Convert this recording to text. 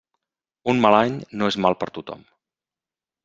Un mal any no és mal per tothom.